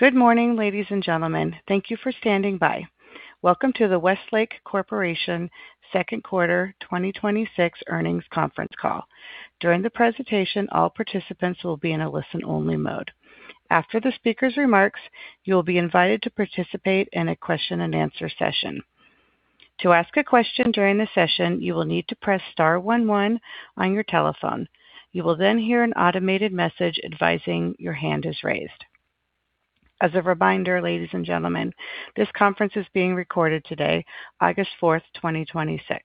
Good morning, ladies and gentlemen. Thank you for standing by. Welcome to the Westlake Corporation second quarter 2026 earnings conference call. During the presentation, all participants will be in a listen-only mode. After the speaker's remarks, you will be invited to participate in a question-and-answer session. To ask a question during the session, you will need to press star one one on your telephone. You will then hear an automated message advising your hand is raised. As a reminder, ladies and gentlemen, this conference is being recorded today, August 4th, 2026.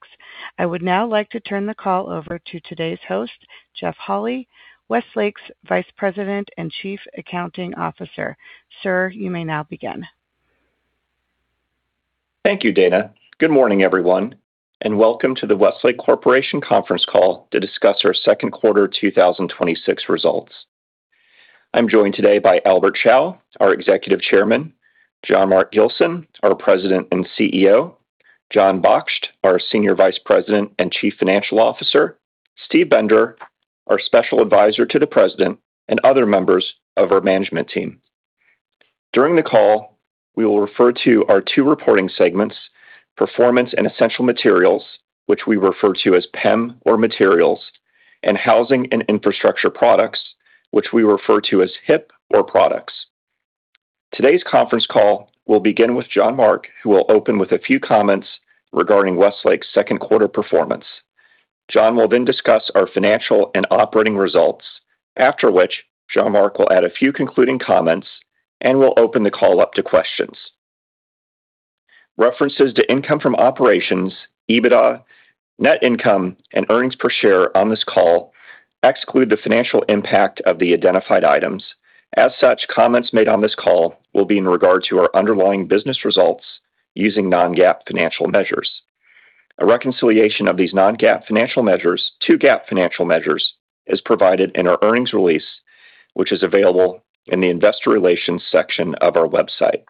I would now like to turn the call over to today's host, Jeff Holy, Westlake's Vice President and Chief Accounting Officer. Sir, you may now begin. Thank you, operator. Good morning, everyone, and welcome to the Westlake Corporation conference call to discuss our second quarter 2026 results. I'm joined today by Albert Chao, our Executive Chairman, Jean-Marc Gilson, our President and CEO, Jon Baksht, our Senior Vice President and Chief Financial Officer, Steve Bender, our Special Advisor to the President, and other members of our management team. During the call, we will refer to our two reporting segments, Performance and Essential Materials, which we refer to as PEM or Materials, and Housing and Infrastructure Products, which we refer to as HIP or Products. Today's conference call will begin with Jean-Marc, who will open with a few comments regarding Westlake's second quarter performance. Jon will then discuss our financial and operating results, after which Jean-Marc will add a few concluding comments, and we'll open the call up to questions. References to income from operations, EBITDA, net income, and earnings per share on this call exclude the financial impact of the identified items. As such, comments made on this call will be in regard to our underlying business results using non-GAAP financial measures. A reconciliation of these non-GAAP financial measures to GAAP financial measures is provided in our earnings release, which is available in the investor relations section of our website.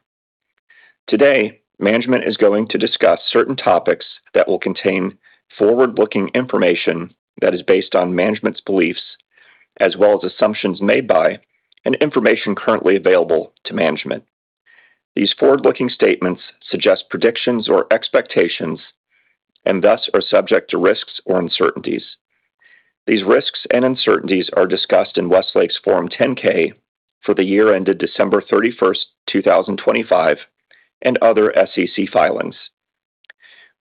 Today, management is going to discuss certain topics that will contain forward-looking information that is based on management's beliefs as well as assumptions made by and information currently available to management. These forward-looking statements suggest predictions or expectations and thus are subject to risks or uncertainties. These risks and uncertainties are discussed in Westlake's Form 10-K for the year ended December 31st, 2025, and other SEC filings.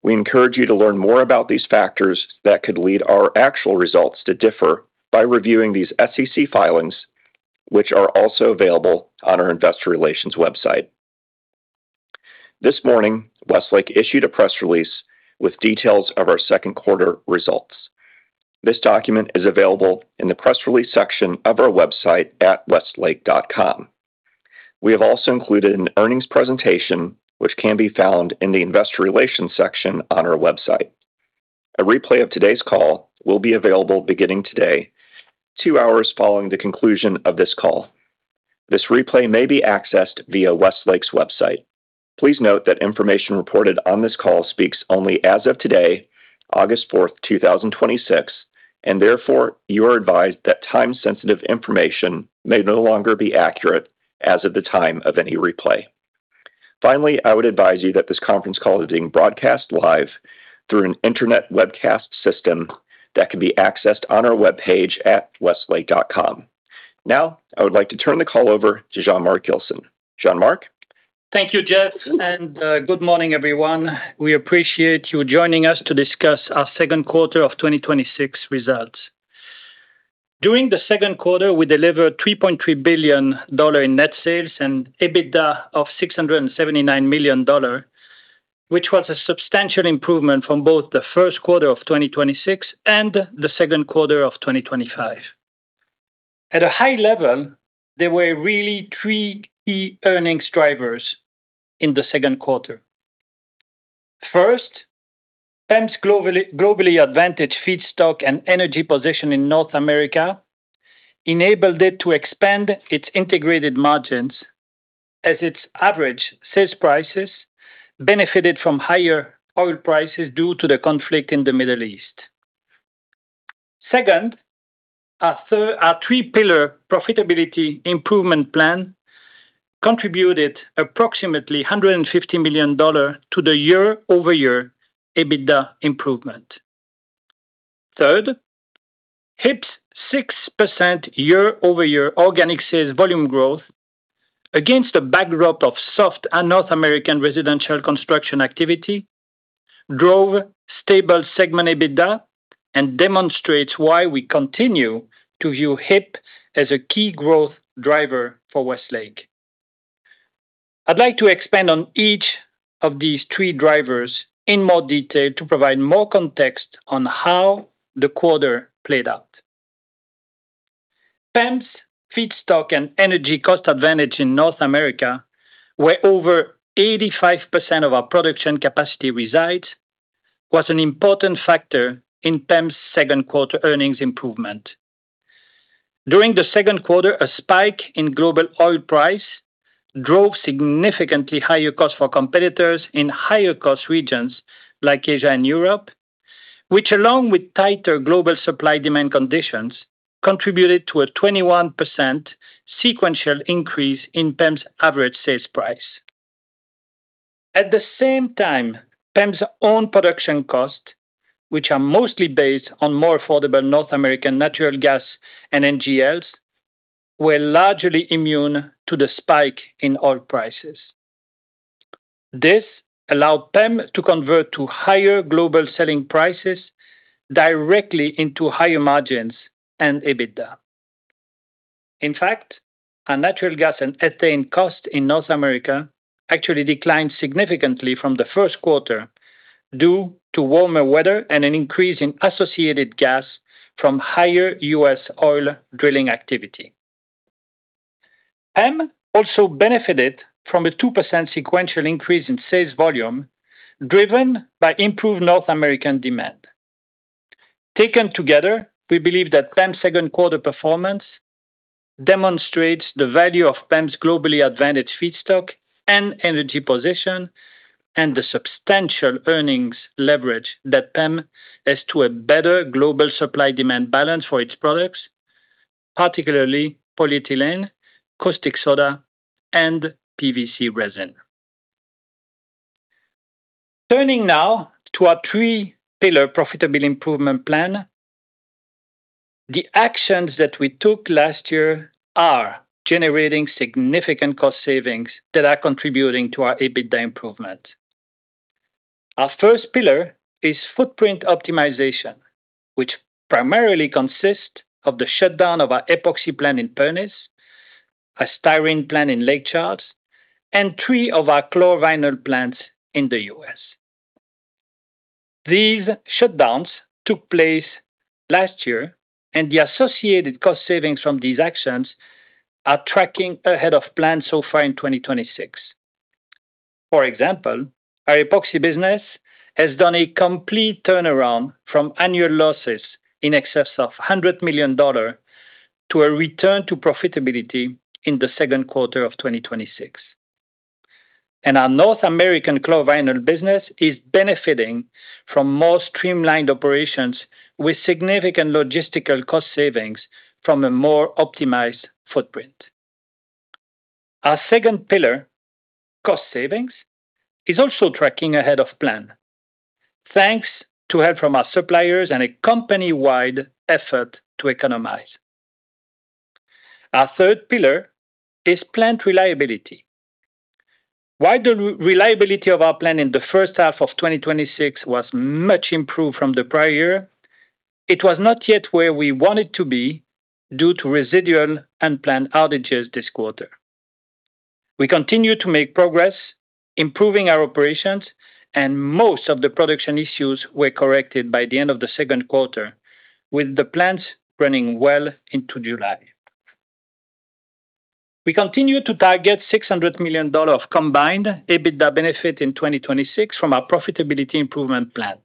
We encourage you to learn more about these factors that could lead our actual results to differ by reviewing these SEC filings, which are also available on our investor relations website. This morning, Westlake issued a press release with details of our second quarter results. This document is available in the press release section of our website at westlake.com. We have also included an earnings presentation, which can be found in the investor relations section on our website. A replay of today's call will be available beginning today, two hours following the conclusion of this call. This replay may be accessed via Westlake's website. Please note that information reported on this call speaks only as of today, August 4th, 2026, and therefore you are advised that time-sensitive information may no longer be accurate as of the time of any replay. I would advise you that this conference call is being broadcast live through an internet webcast system that can be accessed on our webpage at westlake.com. I would like to turn the call over to Jean-Marc Gilson. Jean-Marc? Thank you, Jeff. Good morning, everyone. We appreciate you joining us to discuss our second quarter of 2026 results. During the second quarter, we delivered $3.3 billion in net sales and EBITDA of $679 million, which was a substantial improvement from both the first quarter of 2026 and the second quarter of 2025. At a high level, there were really three key earnings drivers in the second quarter. PEM's globally advantaged feedstock and energy position in North America enabled it to expand its integrated margins as its average sales prices benefited from higher oil prices due to the conflict in the Middle East. Our three-pillar profitability improvement plan contributed approximately $150 million to the year-over-year EBITDA improvement. HIP's 6% year-over-year organic sales volume growth against a backdrop of soft North American residential construction activity drove stable segment EBITDA and demonstrates why we continue to view HIP as a key growth driver for Westlake. I'd like to expand on each of these three drivers in more detail to provide more context on how the quarter played out. PEM's feedstock and energy cost advantage in North America, where over 85% of our production capacity resides, was an important factor in PEM's second quarter earnings improvement. During the second quarter, a spike in global oil price drove significantly higher costs for competitors in higher cost regions like Asia and Europe, which along with tighter global supply-demand conditions, contributed to a 21% sequential increase in PEM's average sales price. At the same time, PEM's own production costs, which are mostly based on more affordable North American natural gas and NGLs, were largely immune to the spike in oil prices. This allowed PEM to convert to higher global selling prices directly into higher margins and EBITDA. In fact, our natural gas and ethane cost in North America actually declined significantly from the first quarter due to warmer weather and an increase in associated gas from higher U.S. oil drilling activity. PEM also benefited from a 2% sequential increase in sales volume, driven by improved North American demand. Taken together, we believe that PEM's second quarter performance demonstrates the value of PEM's globally advantaged feedstock and energy position, and the substantial earnings leverage that PEM has to a better global supply-demand balance for its products, particularly polyethylene, caustic soda, and PVC resin. Turning now to our three-pillar profitable improvement plan. The actions that we took last year are generating significant cost savings that are contributing to our EBITDA improvement. Our first pillar is footprint optimization, which primarily consists of the shutdown of our epoxy plant in Pernis, our styrene plant in Lake Charles, and three of our chlor-vinyl plants in the U.S. These shutdowns took place last year, and the associated cost savings from these actions are tracking ahead of plan so far in 2026. For example, our epoxy business has done a complete turnaround from annual losses in excess of $100 million to a return to profitability in the second quarter of 2026. Our North American chlor-vinyl business is benefiting from more streamlined operations with significant logistical cost savings from a more optimized footprint. Our second pillar, cost savings, is also tracking ahead of plan, thanks to help from our suppliers and a company-wide effort to economize. Our third pillar is plant reliability. While the reliability of our plant in the H1 of 2026 was much improved from the prior year, it was not yet where we wanted to be due to residual unplanned outages this quarter. We continue to make progress improving our operations, and most of the production issues were corrected by the end of the second quarter, with the plants running well into July. We continue to target $600 million of combined EBITDA benefit in 2026 from our profitability improvement plan.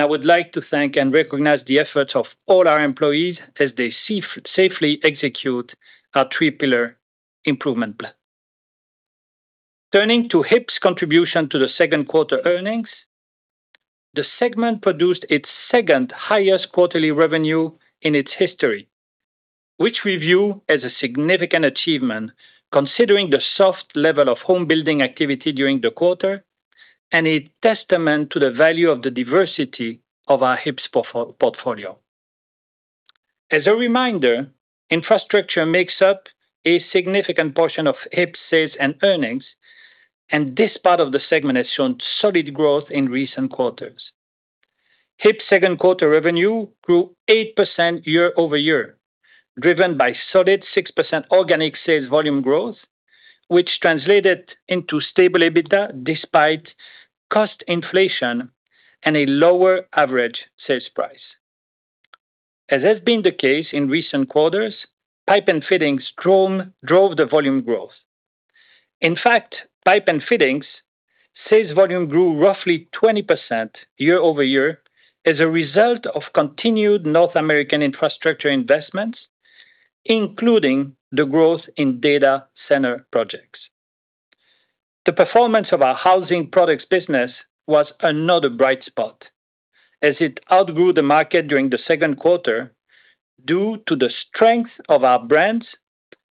I would like to thank and recognize the efforts of all our employees as they safely execute our three-pillar improvement plan. Turning to HIP's contribution to the second quarter earnings. The segment produced its second-highest quarterly revenue in its history, which we view as a significant achievement considering the soft level of home-building activity during the quarter, and a testament to the value of the diversity of our HIP's portfolio. As a reminder, infrastructure makes up a significant portion of HIP's sales and earnings, and this part of the segment has shown solid growth in recent quarters. HIP's second quarter revenue grew 8% year-over-year, driven by solid 6% organic sales volume growth, which translated into stable EBITDA despite cost inflation and a lower average sales price. As has been the case in recent quarters, Pipe & Fittings drove the volume growth. In fact, Pipe & Fittings sales volume grew roughly 20% year-over-year as a result of continued North American infrastructure investments, including the growth in data center projects. The performance of our housing products business was another bright spot as it outgrew the market during the second quarter due to the strength of our brands,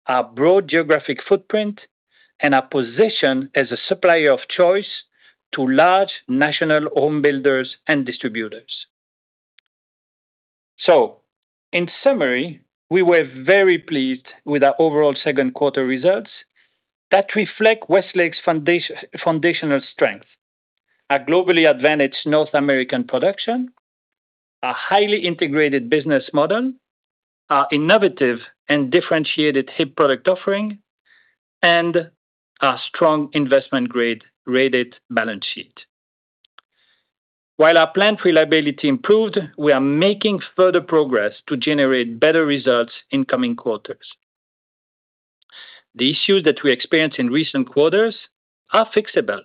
our broad geographic footprint, and our position as a supplier of choice to large national home builders and distributors. In summary, we were very pleased with our overall second quarter results that reflect Westlake's foundational strength, our globally advantaged North American production, our highly integrated business model, our innovative and differentiated HIP product offering, and our strong investment-grade rated balance sheet. While our plant reliability improved, we are making further progress to generate better results in coming quarters. The issues that we experienced in recent quarters are fixable,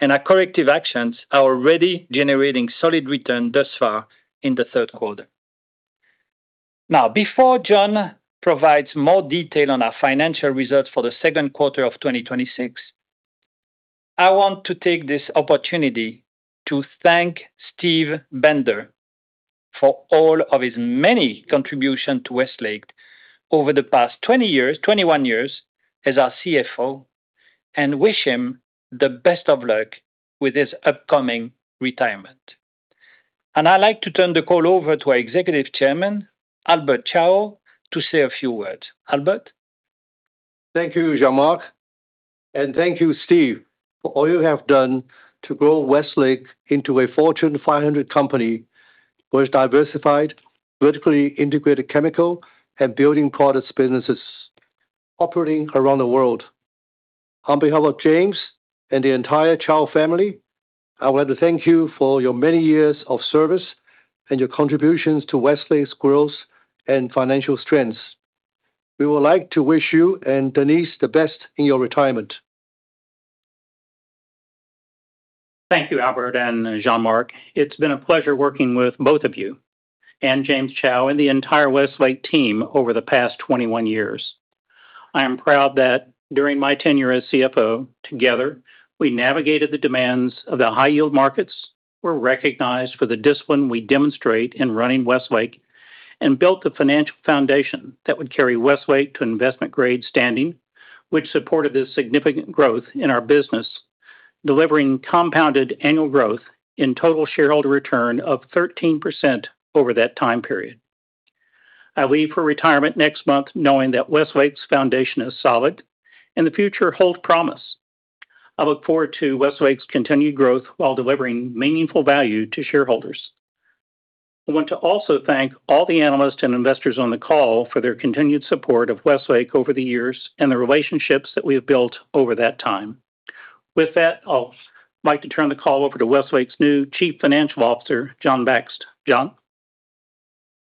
and our corrective actions are already generating solid return thus far in the third quarter. Before Jon provides more detail on our financial results for the second quarter of 2026, I want to take this opportunity to thank Steve Bender for all of his many contributions to Westlake over the past 21 years as our CFO and wish him the best of luck with his upcoming retirement. I'd like to turn the call over to our Executive Chairman, Albert Chao, to say a few words. Albert? Thank you, Jean-Marc, and thank you, Steve, for all you have done to grow Westlake into a Fortune 500 company with diversified, vertically integrated chemical and building products, businesses operating around the world. On behalf of James and the entire Chao family, I would like to thank you for your many years of service and your contributions to Westlake's growth and financial strengths. We would like to wish you and Denise the best in your retirement. Thank you, Albert and Jean-Marc. It's been a pleasure working with both of you and James Chao and the entire Westlake team over the past 21 years. I am proud that during my tenure as CFO, together, we navigated the demands of the high-yield markets, were recognized for the discipline we demonstrate in running Westlake, and built the financial foundation that would carry Westlake to investment-grade standing, which supported the significant growth in our business, delivering compounded annual growth in total shareholder return of 13% over that time period. I leave for retirement next month knowing that Westlake's foundation is solid and the future holds promise. I look forward to Westlake's continued growth while delivering meaningful value to shareholders. I want to also thank all the analysts and investors on the call for their continued support of Westlake over the years and the relationships that we have built over that time. With that, I'll like to turn the call over to Westlake's new Chief Financial Officer, Jon Baksht. Jon?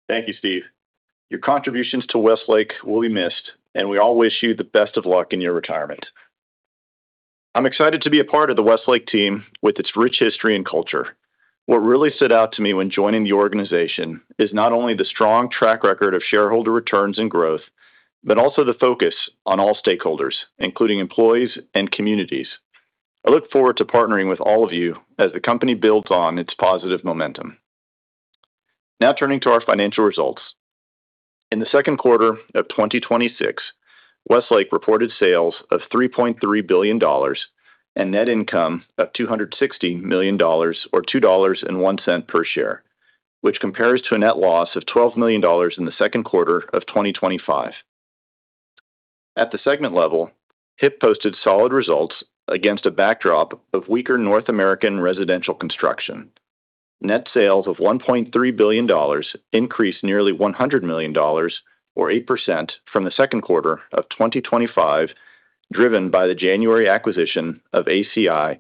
Thank you, Steve. Your contributions to Westlake will be missed, and we all wish you the best of luck in your retirement. I'm excited to be a part of the Westlake team with its rich history and culture. What really stood out to me when joining the organization is not only the strong track record of shareholder returns and growth, but also the focus on all stakeholders, including employees and communities. I look forward to partnering with all of you as the company builds on its positive momentum. Turning to our financial results. In the second quarter of 2026, Westlake reported sales of $3.3 billion and net income of $260 million, or $2.01 per share, which compares to a net loss of $12 million in the second quarter of 2025. At the segment level, HIP posted solid results against a backdrop of weaker North American residential construction. Net sales of $1.3 billion increased nearly $100 million, or 8%, from the second quarter of 2025, driven by the January acquisition of ACI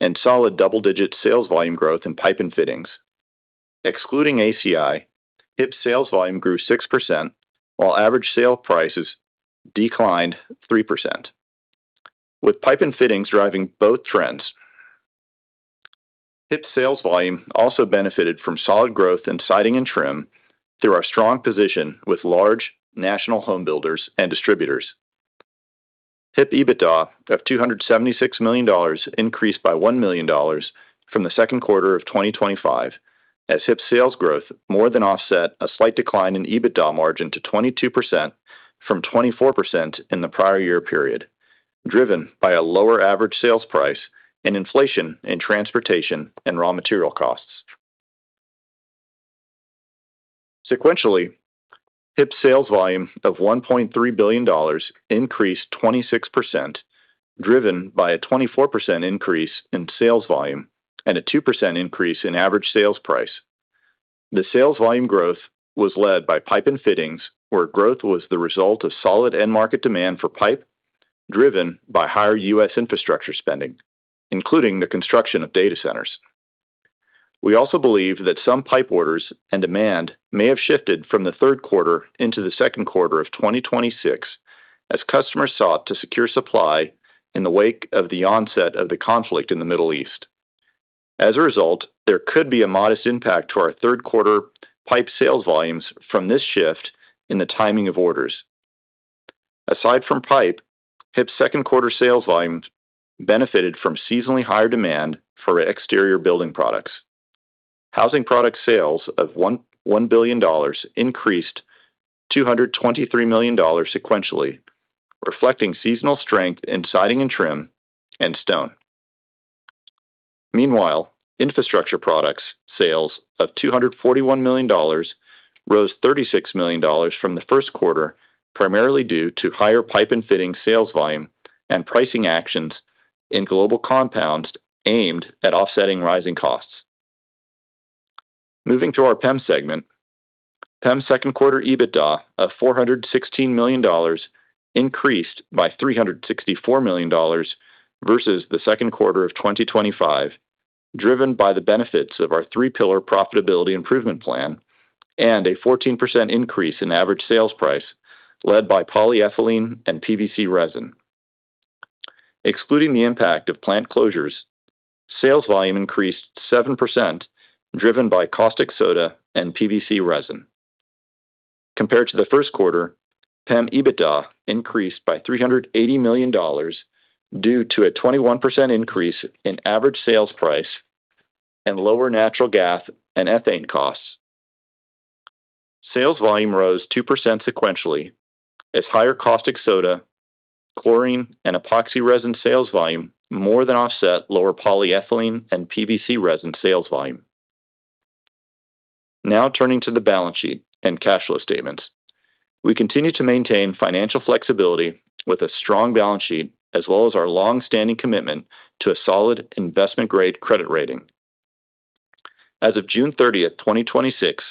and solid double-digit sales volume growth in Pipe & Fittings. Excluding ACI, HIP's sales volume grew 6%, while average sale prices declined 3%, with Pipe & Fittings driving both trends. HIP's sales volume also benefited from solid growth in siding and trim through our strong position with large national home builders and distributors. HIP EBITDA of $276 million increased by $1 million from the second quarter of 2025 as HIP's sales growth more than offset a slight decline in EBITDA margin to 22% from 24% in the prior year period, driven by a lower average sales price and inflation in transportation and raw material costs. Sequentially, HIP's sales volume of $1.3 billion increased 26%, driven by a 24% increase in sales volume and a 2% increase in average sales price. The sales volume growth was led by Pipe & Fittings, where growth was the result of solid end market demand for pipe driven by higher U.S. infrastructure spending, including the construction of data centers. We also believe that some pipe orders and demand may have shifted from the third quarter into the second quarter of 2026 as customers sought to secure supply in the wake of the onset of the conflict in the Middle East. There could be a modest impact to our third quarter pipe sales volumes from this shift in the timing of orders. Aside from pipe, HIP's second quarter sales volumes benefited from seasonally higher demand for exterior building products. Housing product sales of $1 billion increased $223 million sequentially, reflecting seasonal strength in siding and trim and stone. Infrastructure products sales of $241 million rose $36 million from the first quarter, primarily due to higher Pipe & Fitting sales volume and pricing actions in Global Compounds aimed at offsetting rising costs. Moving to our PEM segment. PEM second quarter EBITDA of $416 million increased by $364 million versus the second quarter of 2025, driven by the benefits of our three-pillar profitability improvement plan and a 14% increase in average sales price, led by polyethylene and PVC resin. Excluding the impact of plant closures, sales volume increased 7%, driven by caustic soda and PVC resin. Compared to the first quarter, PEM EBITDA increased by $380 million due to a 21% increase in average sales price and lower natural gas and ethane costs. Sales volume rose 2% sequentially as higher caustic soda, chlorine, and epoxy resin sales volume more than offset lower polyethylene and PVC resin sales volume. Turning to the balance sheet and cash flow statements. We continue to maintain financial flexibility with a strong balance sheet as well as our longstanding commitment to a solid investment-grade credit rating. As of June 30th, 2026,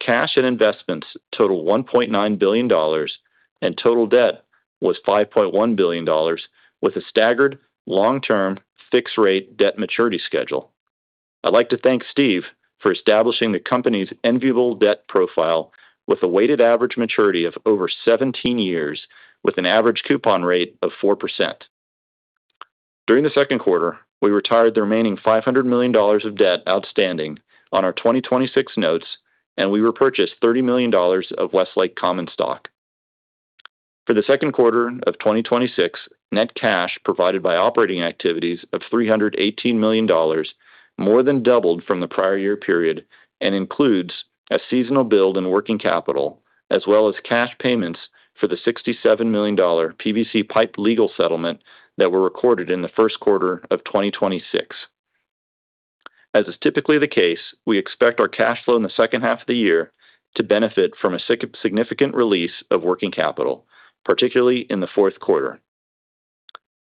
cash and investments total $1.9 billion, and total debt was $5.1 billion with a staggered long-term fixed rate debt maturity schedule. I'd like to thank Steve for establishing the company's enviable debt profile with a weighted average maturity of over 17 years with an average coupon rate of 4%. During the second quarter, we retired the remaining $500 million of debt outstanding on our 2026 notes, and we repurchased $30 million of Westlake common stock. For the second quarter of 2026, net cash provided by operating activities of $318 million more than doubled from the prior year period and includes a seasonal build in working capital as well as cash payments for the $67 million PVC pipe legal settlement that were recorded in the first quarter of 2026. As is typically the case, we expect our cash flow in the second half of the year to benefit from a significant release of working capital, particularly in the fourth quarter.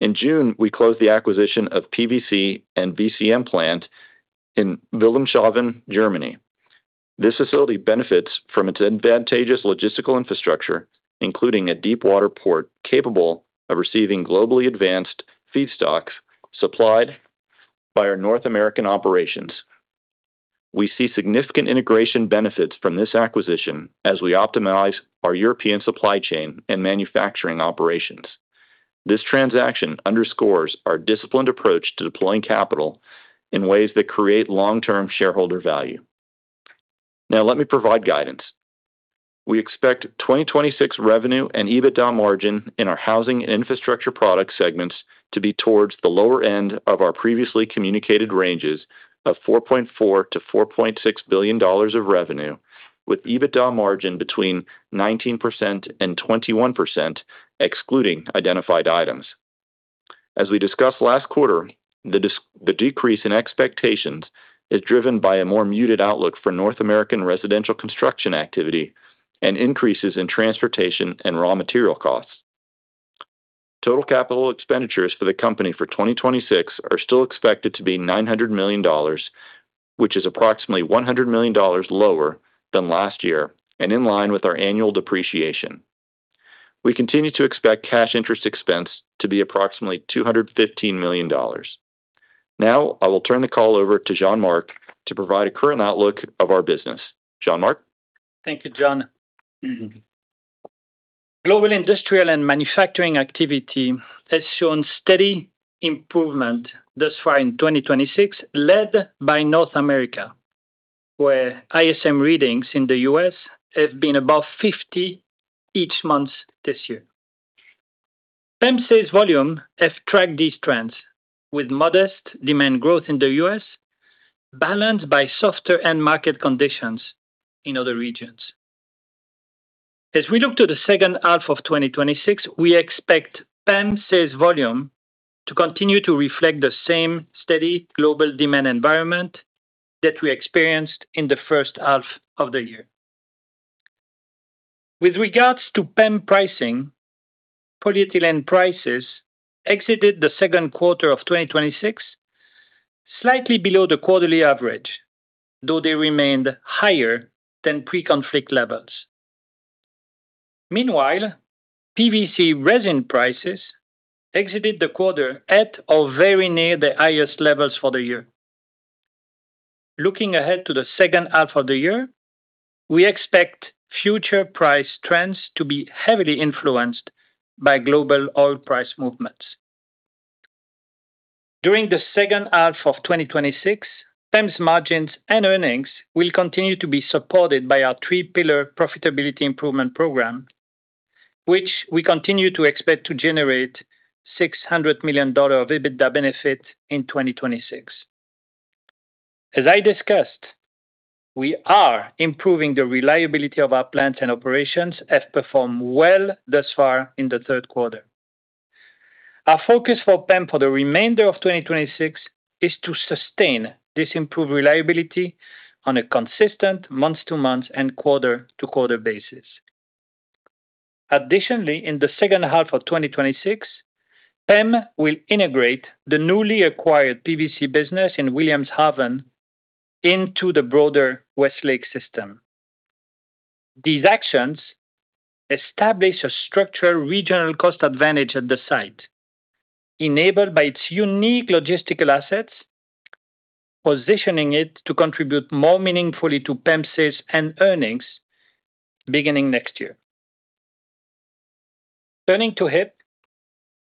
In June, we closed the acquisition of PVC and VCM plant in Wilhelmshaven, Germany. This facility benefits from its advantageous logistical infrastructure, including a deepwater port capable of receiving globally advanced feedstocks supplied by our North American operations. We see significant integration benefits from this acquisition as we optimize our European supply chain and manufacturing operations. This transaction underscores our disciplined approach to deploying capital in ways that create long-term shareholder value. Let me provide guidance. We expect 2026 revenue and EBITDA margin in our Housing and Infrastructure Products segments to be towards the lower end of our previously communicated ranges of $4.4 billion-$4.6 billion of revenue, with EBITDA margin between 19% and 21% excluding identified items. As we discussed last quarter, the decrease in expectations is driven by a more muted outlook for North American residential construction activity and increases in transportation and raw material costs. Total capital expenditures for the company for 2026 are still expected to be $900 million, which is approximately $100 million lower than last year and in line with our annual depreciation. We continue to expect cash interest expense to be approximately $215 million. I will turn the call over to Jean-Marc to provide a current outlook of our business. Jean-Marc? Thank you, Jon. Global industrial and manufacturing activity has shown steady improvement thus far in 2026, led by North America, where ISM readings in the U.S. have been above 50 each month this year. PEM sales volume has tracked these trends with modest demand growth in the U.S., balanced by softer end market conditions in other regions. As we look to the H2 of 2026, we expect PEM sales volume to continue to reflect the same steady global demand environment that we experienced in the H1 of the year. With regards to PEM pricing, polyethylene prices exited the second quarter of 2026 slightly below the quarterly average, though they remained higher than pre-conflict levels. Meanwhile, PVC resin prices exited the quarter at or very near the highest levels for the year. Looking ahead to the H2 of the year, we expect future price trends to be heavily influenced by global oil price movements. During the H2 of 2026, PEM's margins and earnings will continue to be supported by our three pillar profitability improvement program, which we continue to expect to generate $600 million of EBITDA benefit in 2026. As I discussed, we are improving the reliability of our plants and operations, have performed well thus far in the third quarter. Our focus for PEM for the remainder of 2026 is to sustain this improved reliability on a consistent month-to-month and quarter-to-quarter basis. Additionally, in the H2 of 2026, PEM will integrate the newly acquired PVC business in Wilhelmshaven into the broader Westlake system. These actions establish a structural regional cost advantage at the site, enabled by its unique logistical assets, positioning it to contribute more meaningfully to PEM sales and earnings beginning next year. Turning to HIP,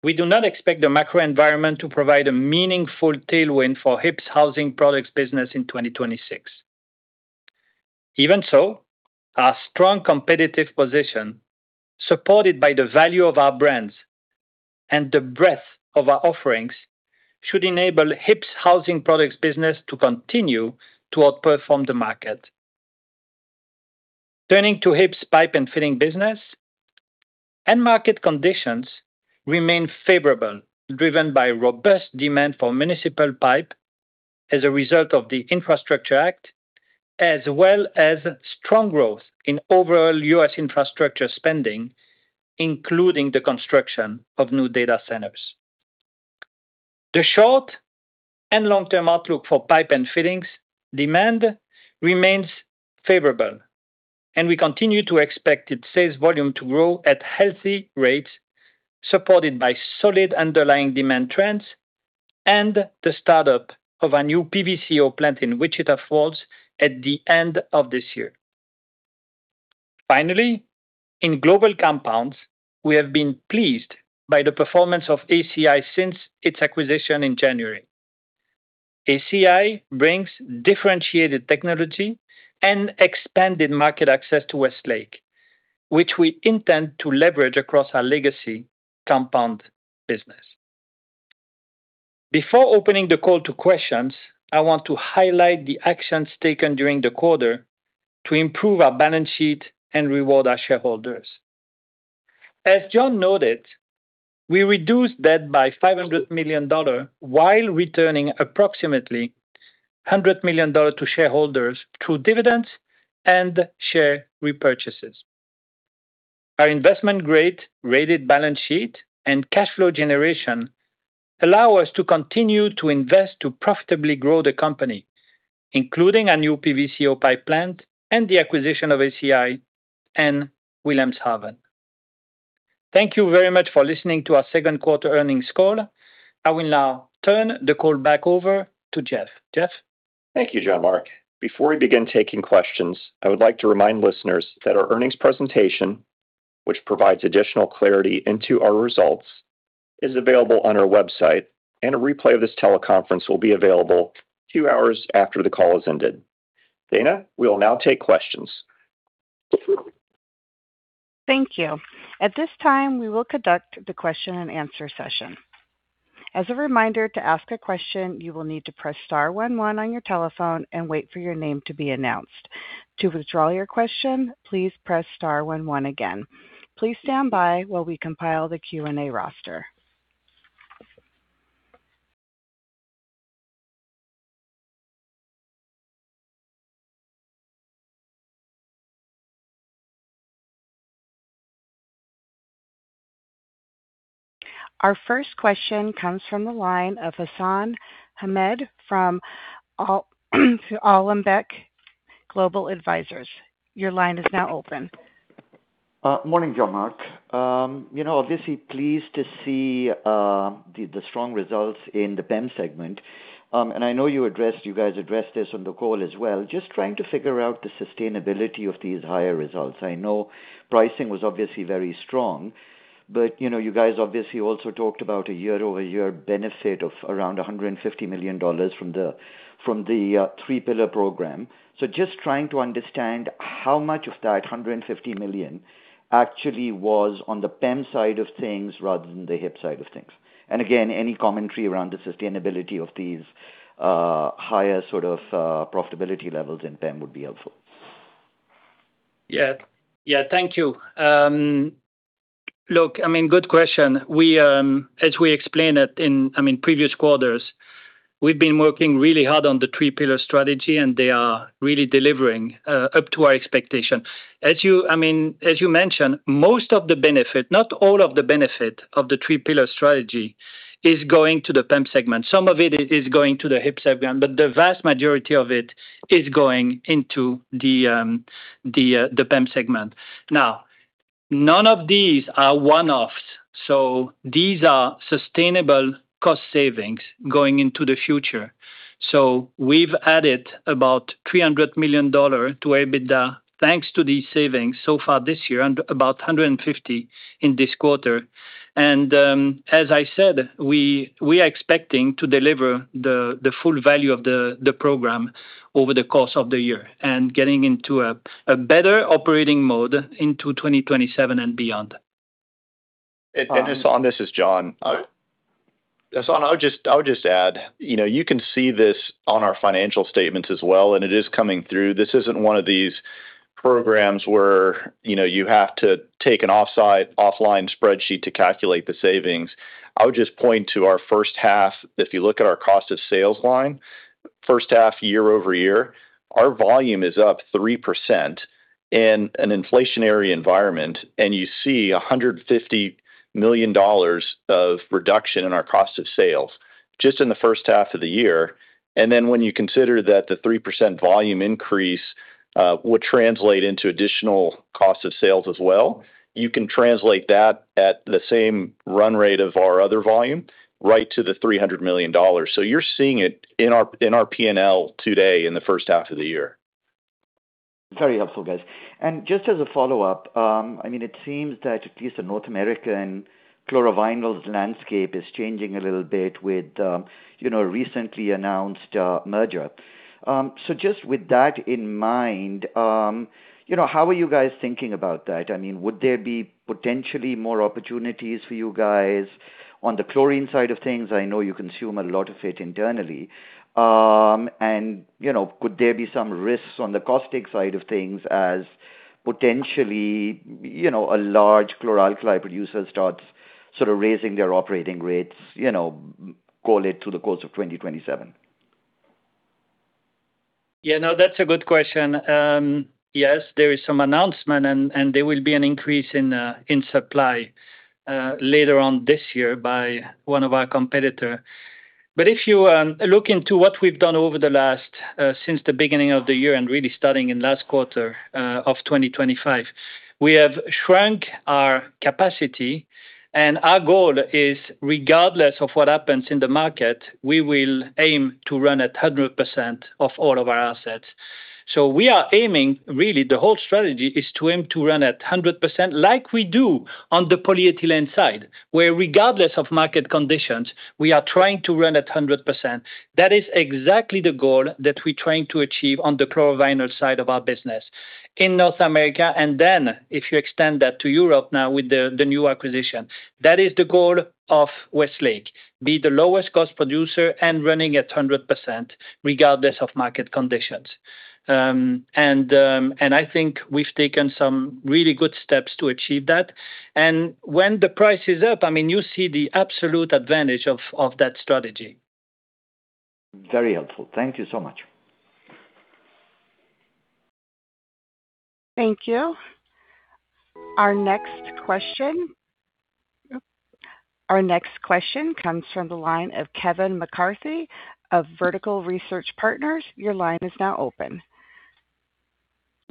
we do not expect the macro environment to provide a meaningful tailwind for HIP's housing products business in 2026. Even so, our strong competitive position, supported by the value of our brands and the breadth of our offerings, should enable HIP's housing products business to continue to outperform the market. Turning to HIP's Pipe and Fittings business, end market conditions remain favorable, driven by robust demand for municipal pipe as a result of the Infrastructure Act, as well as strong growth in overall U.S. infrastructure spending, including the construction of new data centers. The short- and long-term outlook for Pipe and Fittings demand remains favorable, and we continue to expect its sales volume to grow at healthy rates, supported by solid underlying demand trends and the startup of our new PVCO plant in Wichita Falls at the end of this year. Finally, in Global Compounds, we have been pleased by the performance of ACI since its acquisition in January. ACI brings differentiated technology and expanded market access to Westlake, which we intend to leverage across our legacy compound business. Before opening the call to questions, I want to highlight the actions taken during the quarter to improve our balance sheet and reward our shareholders. As Jon noted, we reduced debt by $500 million while returning approximately $100 million to shareholders through dividends and share repurchases. Our investment-grade rated balance sheet and cash flow generation allow us to continue to invest to profitably grow the company, including our new PVCO pipe plant and the acquisition of ACI and Wilhelmshaven. Thank you very much for listening to our second quarter earnings call. I will now turn the call back over to Jeff. Jeff? Thank you, Jean-Marc. Before we begin taking questions, I would like to remind listeners that our earnings presentation, which provides additional clarity into our results, is available on our website. A replay of this teleconference will be available two hours after the call has ended. Operator, we will now take questions. Thank you. At this time, we will conduct the question and answer session. As a reminder, to ask a question, you will need to press star one one on your telephone and wait for your name to be announced. To withdraw your question, please press star one one again. Please stand by while we compile the Q&A roster. Our first question comes from the line of Hassan Ahmed from Alembic Global Advisors. Your line is now open. Morning, Jean-Marc. Obviously pleased to see the strong results in the PEM segment. I know you guys addressed this on the call as well. Just trying to figure out the sustainability of these higher results. I know pricing was obviously very strong, but you guys obviously also talked about a year-over-year benefit of around $150 million from the Three Pillar Program. Just trying to understand how much of that $150 million actually was on the PEM side of things rather than the HIP side of things. Again, any commentary around the sustainability of these higher sort of profitability levels in PEM would be helpful. Yeah. Thank you. Look, good question. As we explained it in previous quarters, we've been working really hard on the Three Pillar strategy. They are really delivering up to our expectation. As you mentioned, most of the benefit, not all of the benefit of the Three Pillar strategy is going to the PEM segment. Some of it is going to the HIP segment. The vast majority of it is going into the PEM segment. None of these are one-offs. These are sustainable cost savings going into the future. We've added about $300 million to EBITDA thanks to these savings so far this year, and about $150 in this quarter. As I said, we are expecting to deliver the full value of the program over the course of the year and getting into a better operating mode into 2027 and beyond. Hassan, this is Jon. Hassan, I would just add, you can see this on our financial statements as well. It is coming through. This isn't one of these programs where you have to take an offline spreadsheet to calculate the savings. I would just point to our H1. If you look at our cost of sales line, H1 year-over-year, our volume is up 3% in an inflationary environment. You see $150 million of reduction in our cost of sales just in the H1 of the year. When you consider that the 3% volume increase Would translate into additional cost of sales as well. You can translate that at the same run rate of our other volume right to the $300 million. You're seeing it in our P&L today in the H1 of the year. Very helpful, guys. Just as a follow-up, it seems that at least the North American chlorovinyls landscape is changing a little bit with a recently announced merger. Just with that in mind, how are you guys thinking about that? Would there be potentially more opportunities for you guys on the chlorine side of things? I know you consume a lot of it internally. Could there be some risks on the caustic side of things as potentially a large chlor-alkali producer starts sort of raising their operating rates, call it through the course of 2027? That's a good question. Yes, there is some announcement, and there will be an increase in supply later on this year by one of our competitor. If you look into what we've done since the beginning of the year and really starting in last quarter of 2025, we have shrunk our capacity, and our goal is, regardless of what happens in the market, we will aim to run at 100% of all of our assets. We are aiming, really, the whole strategy is to aim to run at 100% like we do on the polyethylene side, where regardless of market conditions, we are trying to run at 100%. That is exactly the goal that we're trying to achieve on the chlorovinyls side of our business in North America, and then if you extend that to Europe now with the new acquisition. That is the goal of Westlake, be the lowest cost producer and running at 100% regardless of market conditions. I think we've taken some really good steps to achieve that. When the price is up, you see the absolute advantage of that strategy. Very helpful. Thank you so much. Thank you. Our next question comes from the line of Kevin McCarthy of Vertical Research Partners. Your line is now open.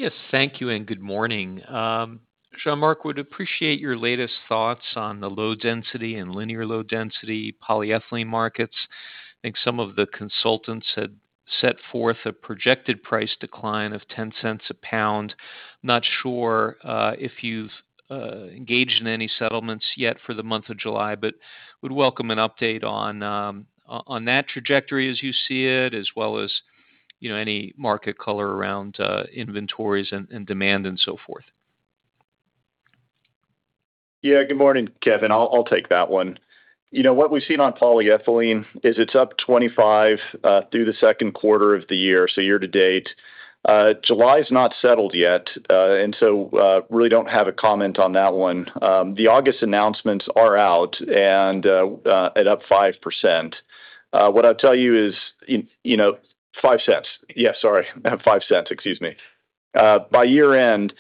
Yes, thank you and good morning. Jean-Marc, would appreciate your latest thoughts on the low-density and linear low-density polyethylene markets. I think some of the consultants had set forth a projected price decline of $0.10 a pound. Not sure if you've engaged in any settlements yet for the month of July, but would welcome an update on that trajectory as you see it, as well as any market color around inventories and demand and so forth. Good morning, Kevin. I'll take that one. What we've seen on polyethylene is it's up $0.25 through the second quarter of the year, so year-to-date. July's not settled yet, really don't have a comment on that one. The August announcements are out and at up 5%. What I'll tell you is $0.05. Yeah, sorry. $0.05, excuse me. By year-end,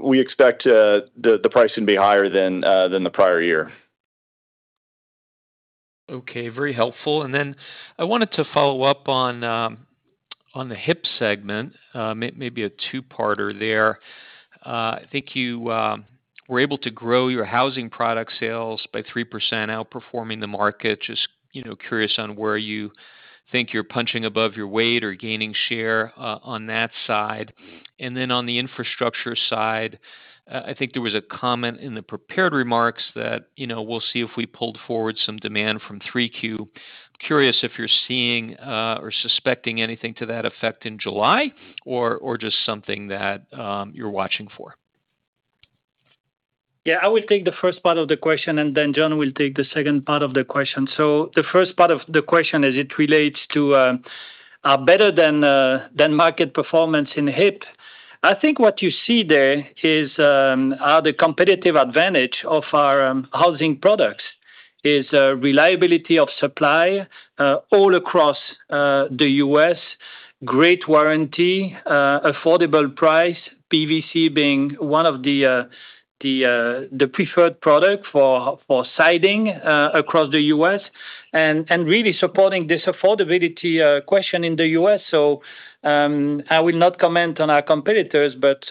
we expect the price to be higher than the prior year. Okay. Very helpful. I wanted to follow up on the HIP segment, maybe a two-parter there. I think you were able to grow your housing product sales by 3%, outperforming the market. Just curious on where you think you're punching above your weight or gaining share on that side. On the infrastructure side, I think there was a comment in the prepared remarks that we'll see if we pulled forward some demand from 3Q. Curious if you're seeing or suspecting anything to that effect in July or just something that you're watching for. I will take the first part of the question, Jon will take the second part of the question. The first part of the question as it relates to better than market performance in HIP. I think what you see there is the competitive advantage of our housing products is reliability of supply all across the U.S., great warranty, affordable price, PVC being one of the preferred product for siding across the U.S., really supporting this affordability question in the U.S. I will not comment on our competitors, but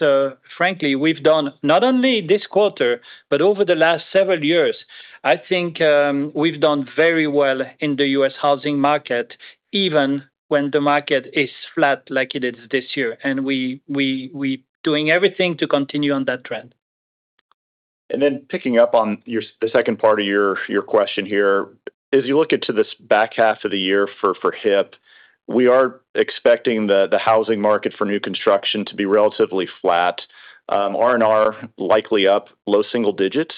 frankly, we've done not only this quarter, but over the last several years, I think we've done very well in the U.S. housing market, even when the market is flat like it is this year. We doing everything to continue on that trend. Picking up on the second part of your question here. As you look into this back half of the year for HIP, we are expecting the housing market for new construction to be relatively flat. R&R likely up low single digits.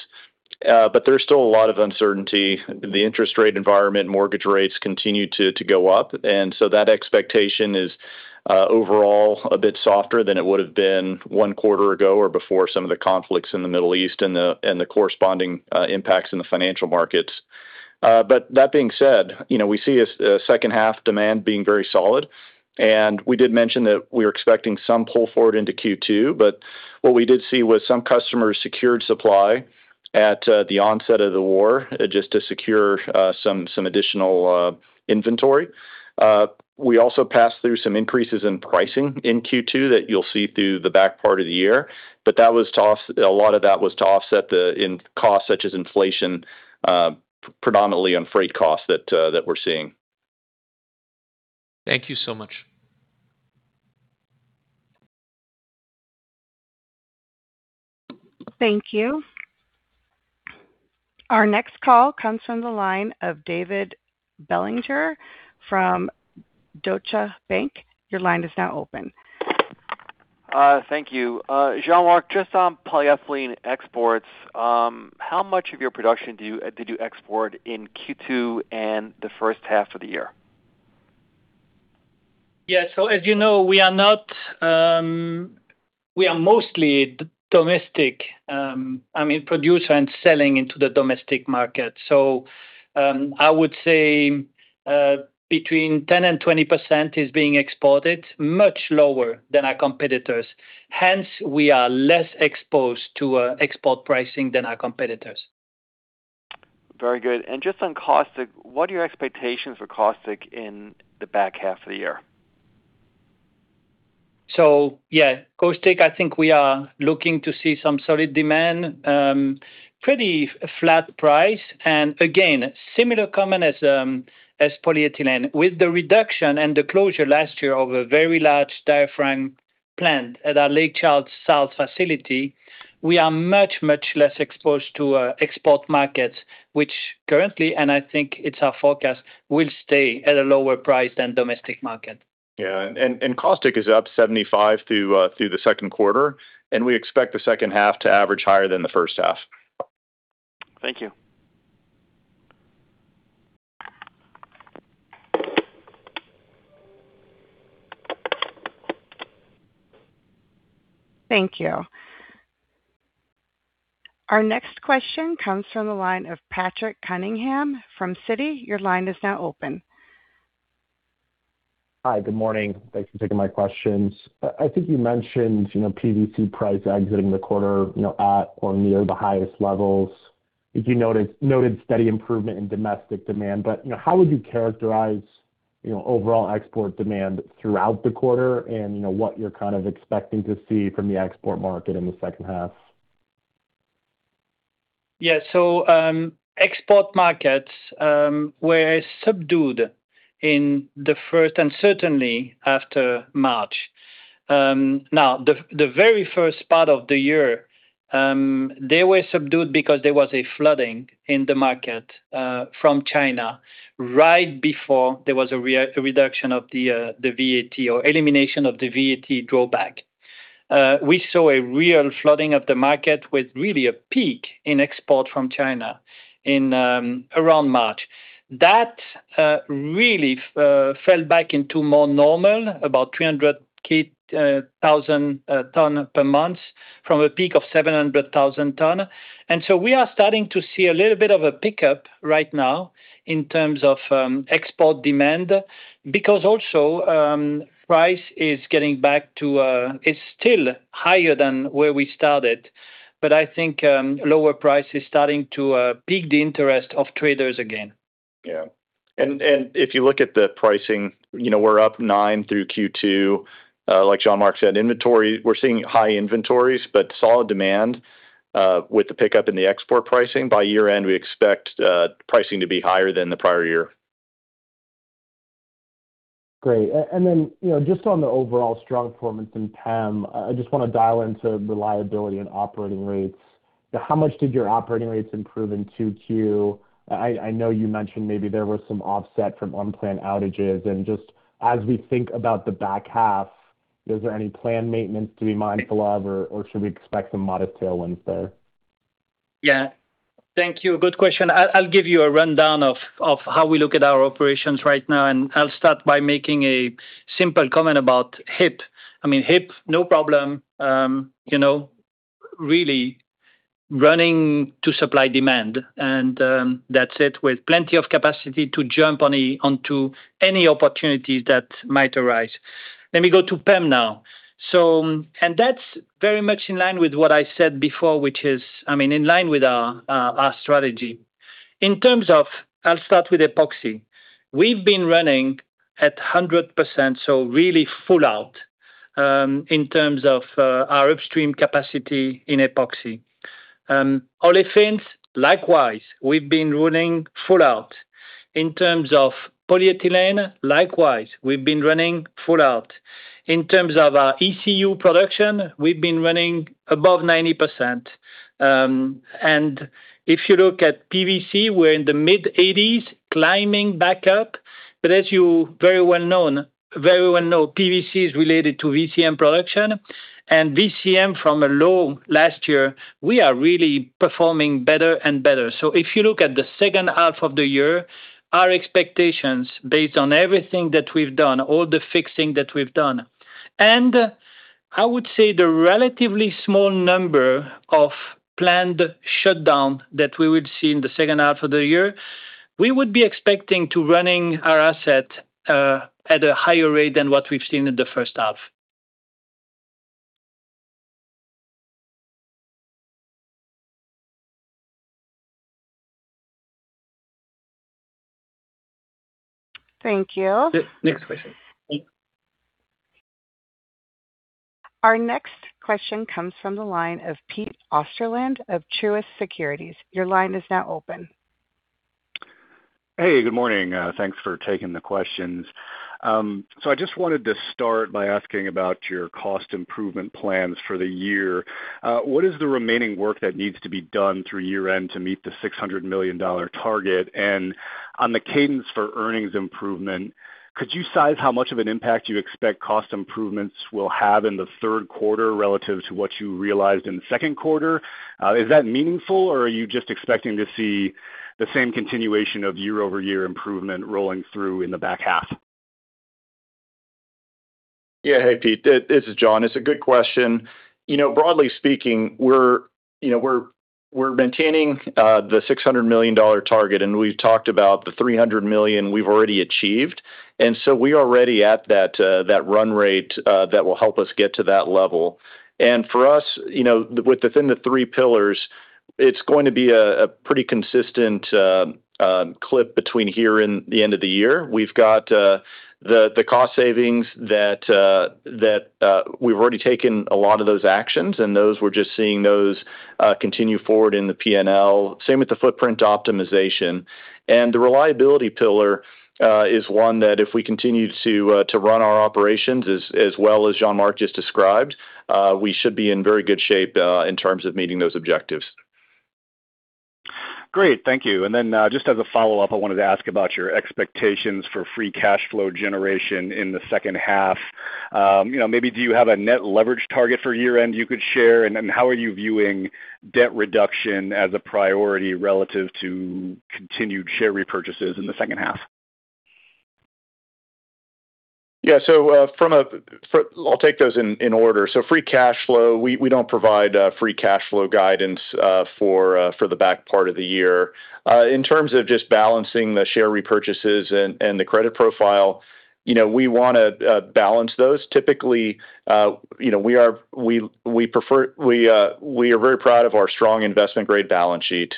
There's still a lot of uncertainty. The interest rate environment, mortgage rates continue to go up, so that expectation is overall a bit softer than it would've been one quarter ago or before some of the conflicts in the Middle East and the corresponding impacts in the financial markets. That being said, we see a H2 demand being very solid, and we did mention that we are expecting some pull forward into Q2, but what we did see was some customers secured supply at the onset of the war just to secure some additional inventory. We also passed through some increases in pricing in Q2 that you'll see through the back part of the year. A lot of that was to offset the end cost such as inflation, predominantly on freight costs that we're seeing. Thank you so much. Thank you. Our next call comes from the line of David Begleiter from Deutsche Bank. Your line is now open. Thank you. Jean-Marc, just on polyethylene exports, how much of your production did you export in Q2 and the H1 of the year? Yeah. As you know, we are mostly domestic. I mean, producer and selling into the domestic market. I would say between 10%-20% is being exported much lower than our competitors. Hence, we are less exposed to export pricing than our competitors. Very good. Just on caustic, what are your expectations for caustic in the back half of the year? Yeah, caustic, I think we are looking to see some solid demand, pretty flat price, and again, similar comment as polyethylene. With the reduction and the closure last year of a very large diaphragm plant at our Lake Charles South facility, we are much less exposed to export markets, which currently, and I think it's our forecast, will stay at a lower price than domestic market. Yeah, caustic is up 75% through the second quarter, and we expect the H2 to average higher than the H1. Thank you. Thank you. Our next question comes from the line of Patrick Cunningham from Citi. Your line is now open. Hi. Good morning. Thanks for taking my questions. I think you mentioned PVC price exiting the quarter at or near the highest levels. If you noted steady improvement in domestic demand, but how would you characterize overall export demand throughout the quarter and what you're kind of expecting to see from the export market in the H2? Export markets were subdued in the first and certainly after March. The very first part of the year, they were subdued because there was a flooding in the market from China right before there was a reduction of the VAT or elimination of the VAT drawback. We saw a real flooding of the market with really a peak in export from China in around March. That really fell back into more normal, about 300,000 tons per month from a peak of 700,000 tons. We are starting to see a little bit of a pickup right now in terms of export demand because also, price is getting back to. It's still higher than where we started, but I think lower price is starting to pique the interest of traders again. If you look at the pricing, we're up nine through Q2. Like Jean-Marc said, we're seeing high inventories, but solid demand with the pickup in the export pricing. By year-end, we expect pricing to be higher than the prior year. Great. Just on the overall strong performance in PEM, I just want to dial into reliability and operating rates. How much did your operating rates improve in 2Q? I know you mentioned maybe there was some offset from unplanned outages and just as we think about the back half, is there any planned maintenance to be mindful of or should we expect some modest tailwinds there? Thank you. Good question. I'll give you a rundown of how we look at our operations right now. I'll start by making a simple comment about HIP. I mean, HIP, no problem. Really running to supply demand, and that's it, with plenty of capacity to jump onto any opportunities that might arise. Let me go to PEM now. That's very much in line with what I said before, which is in line with our strategy. In terms of, I'll start with epoxy. We've been running at 100%, so really full out, in terms of our upstream capacity in epoxy. Olefins, likewise, we've been running full out. In terms of polyethylene, likewise, we've been running full out. In terms of our ECU production, we've been running above 90%. If you look at PVC, we're in the mid-80s climbing back up. As you very well know, PVC is related to VCM production, and VCM from a low last year, we are really performing better and better. If you look at the H2 of the year, our expectations based on everything that we've done, all the fixing that we've done, and I would say the relatively small number of planned shutdown that we would see in the H2 of the year, we would be expecting to running our asset at a higher rate than what we've seen in the H1. Thank you. Next question. Our next question comes from the line of Pete Osterland of Truist Securities. Your line is now open. Hey, good morning. Thanks for taking the questions. I just wanted to start by asking about your cost improvement plans for the year. What is the remaining work that needs to be done through year-end to meet the $600 million target? On the cadence for earnings improvement, could you size how much of an impact you expect cost improvements will have in the third quarter relative to what you realized in the second quarter? Is that meaningful, or are you just expecting to see the same continuation of year-over-year improvement rolling through in the back half? Hey, Pete. This is Jon. It's a good question. Broadly speaking, we're maintaining the $600 million target. We've talked about the $300 million we've already achieved. We are already at that run rate that will help us get to that level. For us, within the three pillars, it's going to be a pretty consistent clip between here and the end of the year. We've got the cost savings that we've already taken a lot of those actions. Those we're just seeing those continue forward in the P&L. Same with the footprint optimization. The reliability pillar is one that if we continue to run our operations as well as Jean-Marc just described, we should be in very good shape in terms of meeting those objectives. Great. Thank you. Just as a follow-up, I wanted to ask about your expectations for free cash flow generation in the H2. Maybe do you have a net leverage target for year-end you could share? How are you viewing debt reduction as a priority relative to continued share repurchases in the H2? I'll take those in order. Free cash flow, we don't provide free cash flow guidance for the back part of the year. In terms of just balancing the share repurchases and the credit profile, we want to balance those. Typically, we are very proud of our strong investment-grade balance sheet.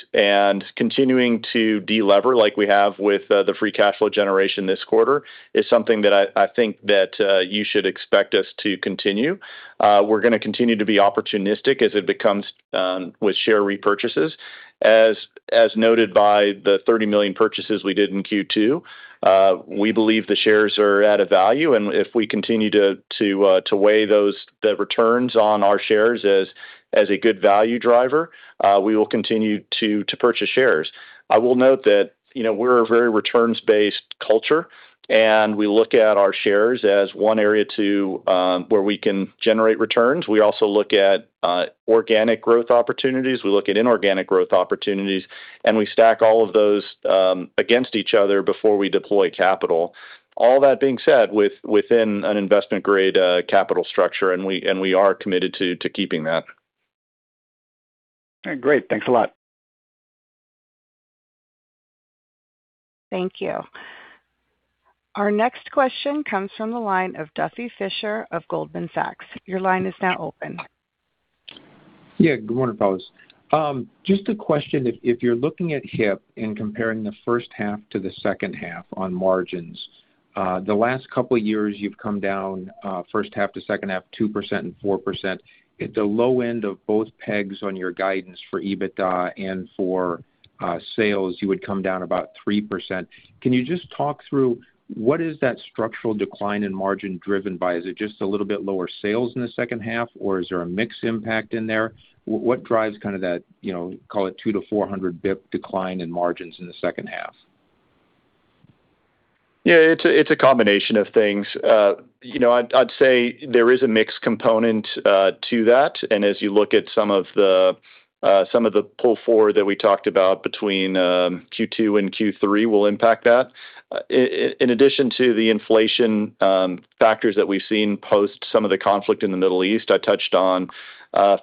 Continuing to de-lever like we have with the free cash flow generation this quarter is something that I think that you should expect us to continue. We're going to continue to be opportunistic as it becomes with share repurchases. As noted by the $30 million purchases we did in Q2, we believe the shares are at a value. If we continue to weigh the returns on our shares as a good value driver, we will continue to purchase shares. I will note that we are a very returns-based culture. We look at our shares as one area where we can generate returns. We also look at organic growth opportunities. We look at inorganic growth opportunities. We stack all of those against each other before we deploy capital. All that being said, within an investment-grade capital structure, we are committed to keeping that. Great. Thanks a lot. Thank you. Our next question comes from the line of Duffy Fischer of Goldman Sachs. Your line is now open. Good morning, fellas. Just a question, if you are looking at HIP and comparing the H1 to the H2 on margins. The last couple of years, you have come down H1 to H2, 2% and 4%. At the low end of both pegs on your guidance for EBITDA and for sales, you would come down about 3%. Can you just talk through what is that structural decline in margin driven by? Is it just a little bit lower sales in the H2, or is there a mix impact in there? What drives that, call it 200 to 400 basis points decline in margins in the H2? it's a combination of things. I'd say there is a mix component to that, as you look at some of the pull forward that we talked about between Q2 and Q3 will impact that. In addition to the inflation factors that we've seen post some of the conflict in the Middle East, I touched on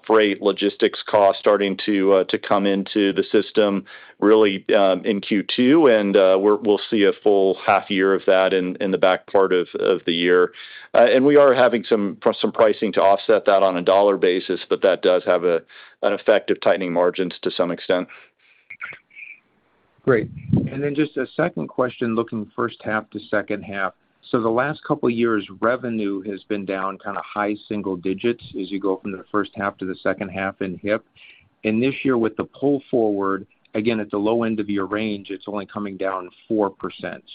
freight logistics costs starting to come into the system really in Q2, we'll see a full half year of that in the back part of the year. We are having some pricing to offset that on a dollar basis, but that does have an effect of tightening margins to some extent. Great. Just a second question, looking H1 to H2. The last couple of years, revenue has been down kind of high single digits as you go from the H1 to the H2 in HIP. This year with the pull forward, again, at the low end of your range, it's only coming down 4%.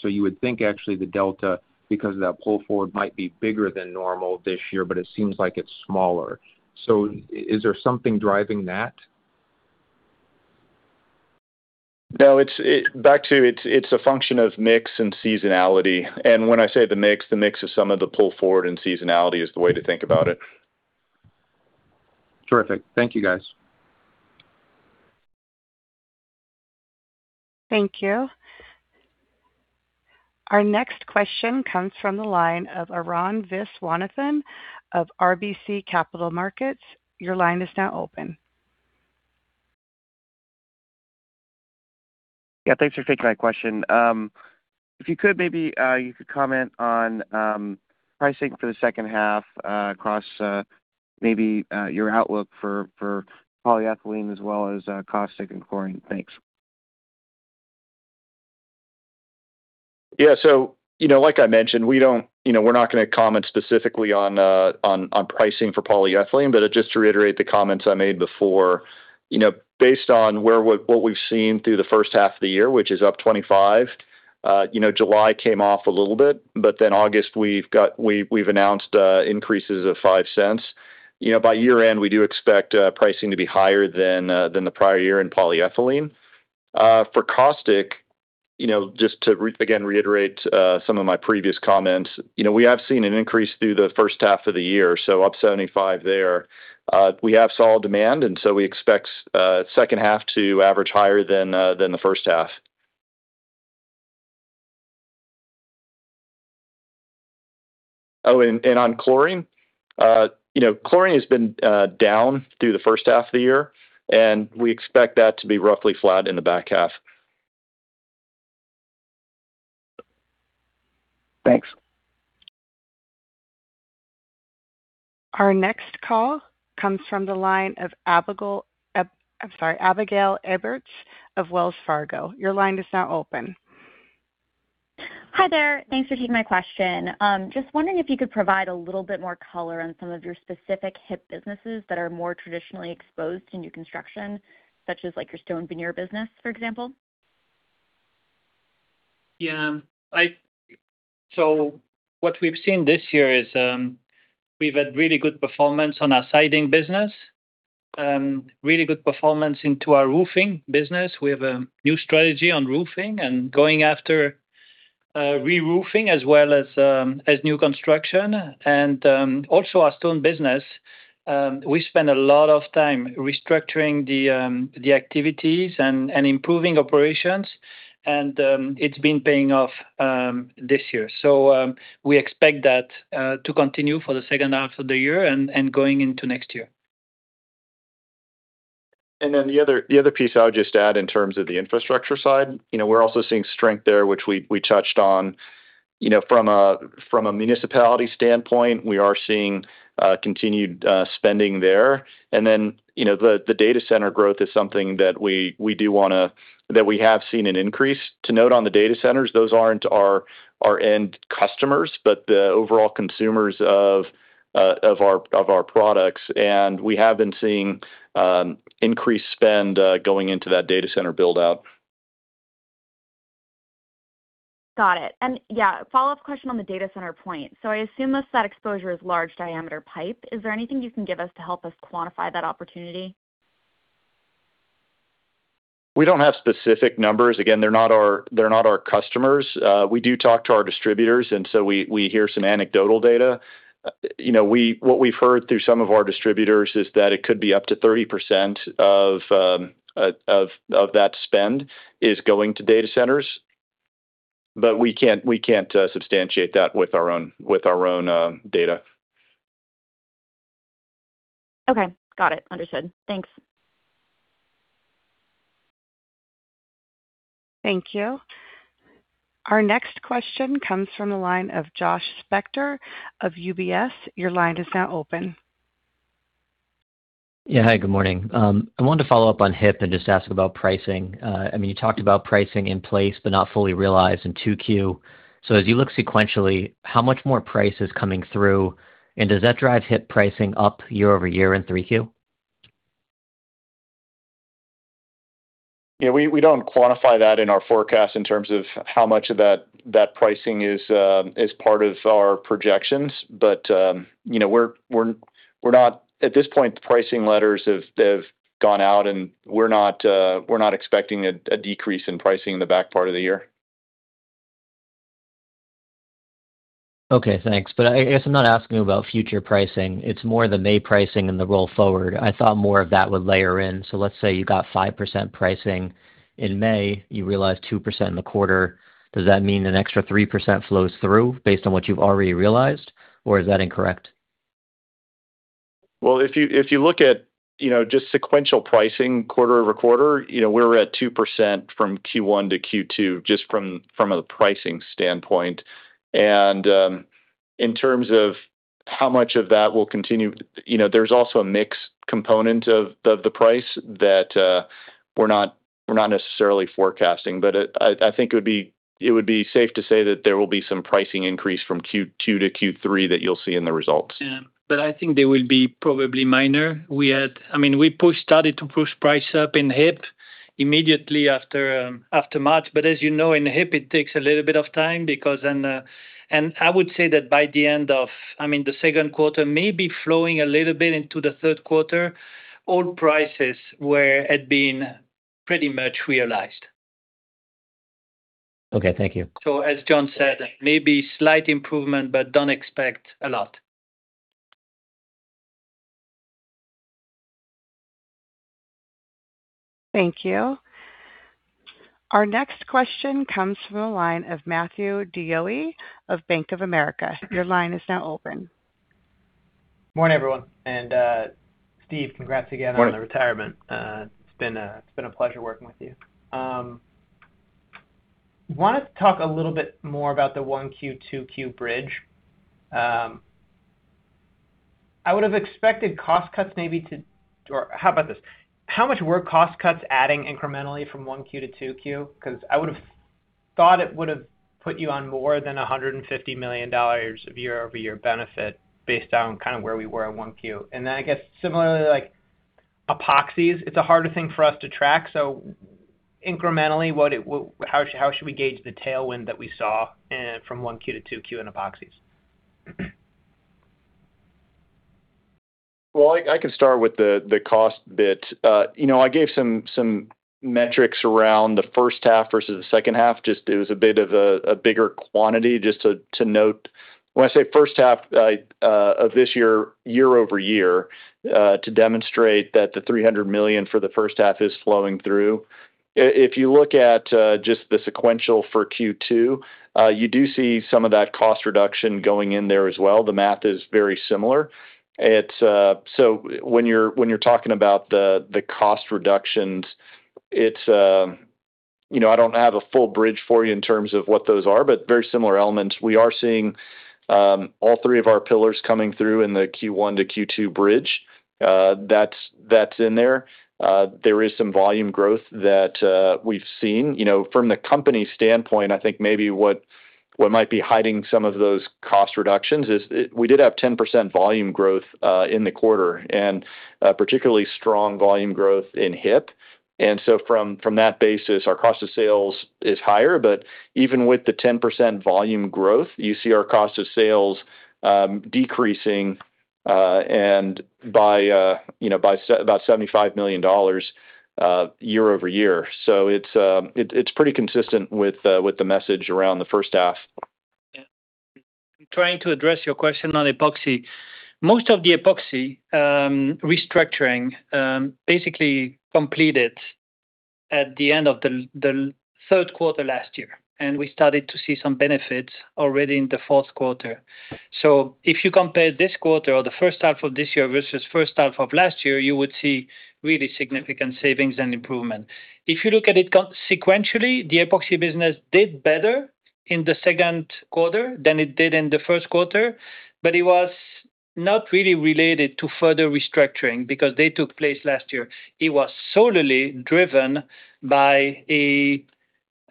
You would think actually the delta, because of that pull forward, might be bigger than normal this year, but it seems like it's smaller. Is there something driving that? No. Back to it's a function of mix and seasonality. When I say the mix, the mix of some of the pull forward and seasonality is the way to think about it. Terrific. Thank you, guys. Thank you. Our next question comes from the line of Arun Viswanathan of RBC Capital Markets. Your line is now open. Yeah, thanks for taking my question. If you could, maybe you could comment on pricing for the H2 across maybe your outlook for polyethylene as well as caustic and chlorine. Thanks. Yeah. Like I mentioned, we're not going to comment specifically on pricing for polyethylene, just to reiterate the comments I made before. Based on what we've seen through the H1 of the year, which is up 25%, July came off a little bit, August, we've announced increases of $0.05. By year-end, we do expect pricing to be higher than the prior year in polyethylene. For caustic, just to reiterate some of my previous comments, we have seen an increase through the H1 of the year, up 75% there. We have solid demand, we expect H2 to average higher than the H1. Oh, on chlorine. Chlorine has been down through the H1 of the year, we expect that to be roughly flat in the back half. Thanks. Our next call comes from the line of Abigail Eberts of Wells Fargo. Your line is now open. Hi there. Thanks for taking my question. Just wondering if you could provide a little bit more color on some of your specific HIP businesses that are more traditionally exposed to new construction, such as your stone veneer business, for example. Yeah. What we've seen this year is, we've had really good performance on our siding business, really good performance into our roofing business. We have a new strategy on roofing and going after re-roofing as well as new construction and also our stone business. We spend a lot of time restructuring the activities and improving operations, and it's been paying off this year. We expect that to continue for the H2 of the year and going into next year. The other piece I would just add in terms of the infrastructure side. We're also seeing strength there, which we touched on. From a municipality standpoint, we are seeing continued spending there. The data center growth is something that we have seen an increase. To note on the data centers, those aren't our end customers, but the overall consumers of our products, and we have been seeing increased spend going into that data center build-out. Got it. Yeah, a follow-up question on the data center point. I assume most of that exposure is large-diameter pipe. Is there anything you can give us to help us quantify that opportunity? We don't have specific numbers. Again, they're not our customers. We do talk to our distributors, we hear some anecdotal data. What we've heard through some of our distributors is that it could be up to 30% of that spend is going to data centers. We can't substantiate that with our own data. Okay. Got it. Understood. Thanks. Thank you. Our next question comes from the line of Josh Spector of UBS. Your line is now open. Yeah. Hi, good morning. I wanted to follow up on HIP and just ask about pricing. You talked about pricing in place but not fully realized in 2Q. As you look sequentially, how much more price is coming through, and does that drive HIP pricing up year-over-year in 3Q? Yeah, we don't quantify that in our forecast in terms of how much of that pricing is part of our projections. At this point, the pricing letters have gone out and we're not expecting a decrease in pricing in the back part of the year. Okay, thanks. I guess I'm not asking about future pricing. It's more the May pricing and the roll forward. I thought more of that would layer in. Let's say you got 5% pricing in May, you realized 2% in the quarter. Does that mean an extra 3% flows through based on what you've already realized, or is that incorrect? Well, if you look at just sequential pricing quarter-over-quarter, we're at 2% from Q1 to Q2 just from a pricing standpoint. In terms of how much of that will continue, there's also a mix component of the price that we're not necessarily forecasting. I think it would be safe to say that there will be some pricing increase from Q2 to Q3 that you'll see in the results. Yeah. I think they will be probably minor. We started to push price up in HIP immediately after March, but as you know, in HIP, it takes a little bit of time because. I would say that by the end of the second quarter, maybe flowing a little bit into the third quarter, all prices had been pretty much realized. Okay, thank you. As Jon said, maybe slight improvement, but don't expect a lot. Thank you. Our next question comes from the line of Matthew DeYoe of Bank of America. Your line is now open. Morning, everyone. Steve, congrats again- Morning on the retirement. It's been a pleasure working with you. Wanted to talk a little bit more about the 1Q, 2Q bridge. I would've expected cost cuts. How about this, how much were cost cuts adding incrementally from 1Q to 2Q? I would've thought it would've put you on more than $150 million of year-over-year benefit based on where we were in 1Q. I guess similarly, epoxies, it's a harder thing for us to track. Incrementally, how should we gauge the tailwind that we saw from 1Q to 2Q in epoxies? Well, I can start with the cost bit. I gave some metrics around the H1 versus the H2. Just, it was a bit of a bigger quantity just to note. When I say H1 of this year-over-year, to demonstrate that the $300 million for the H1 is flowing through. If you look at just the sequential for Q2, you do see some of that cost reduction going in there as well. The math is very similar. When you're talking about the cost reductions, I don't have a full bridge for you in terms of what those are, but very similar elements. We are seeing all three of our pillars coming through in the Q1 to Q2 bridge. That's in there. There is some volume growth that we've seen. From the company standpoint, I think maybe what might be hiding some of those cost reductions is we did have 10% volume growth in the quarter, and particularly strong volume growth in HIP. From that basis, our cost of sales is higher. Even with the 10% volume growth, you see our cost of sales decreasing and by about $75 million year-over-year. It's pretty consistent with the message around the H1. Yeah. Trying to address your question on epoxy. Most of the epoxy restructuring basically completed at the end of the third quarter last year, and we started to see some benefits already in the fourth quarter. If you compare this quarter or the H1 of this year versus H1 of last year, you would see really significant savings and improvement. If you look at it sequentially, the epoxy business did better in the second quarter than it did in the first quarter, it was not really related to further restructuring because they took place last year. It was solely driven by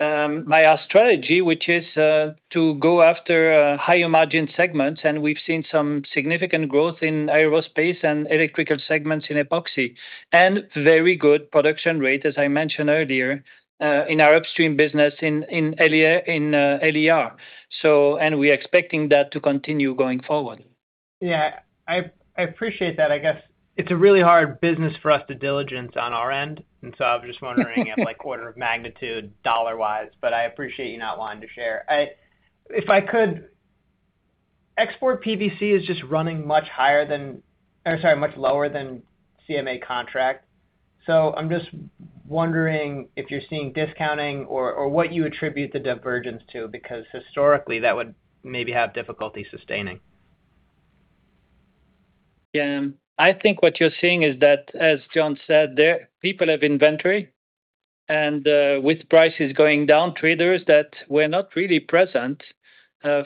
our strategy, which is to go after higher margin segments, and we've seen some significant growth in aerospace and electrical segments in epoxy. Very good production rate, as I mentioned earlier, in our upstream business in LER. We are expecting that to continue going forward. Yeah. I appreciate that. I guess it's a really hard business for us to diligence on our end, I was just wondering like quarter of magnitude dollar-wise, but I appreciate you not wanting to share. If I could, export PVC is just running much lower than CMA contract. I am just wondering if you're seeing discounting or what you attribute the divergence to, because historically that would maybe have difficulty sustaining. Yeah. I think what you're seeing is that, as Jon said, people have inventory. With prices going down, traders that were not really present